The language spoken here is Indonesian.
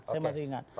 saya masih ingat